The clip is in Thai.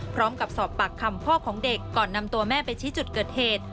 พร้อมกับสอบปากคำพ่อของเด็กก่อนนำตัวแม่ไปชี้จุดเกิดเหตุ